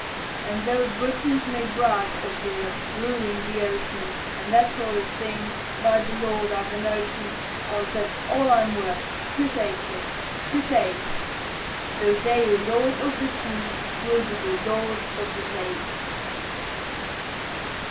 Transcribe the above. "And though Britons may brag of their ruling the ocean, And that sort of thing, by the Lord, I've a notion, I'll bet all I'm worth who takes it who takes? Though they're lords of the sea, we'll be lords of the lakes."